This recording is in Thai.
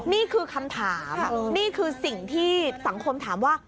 นี่คือคำถามนี่คือสิ่งที่สังคมถามว่า